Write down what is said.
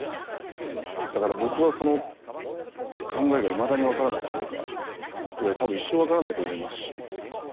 だから僕はその考えがいまだに分からないというかというか多分一生分からないと思いますし。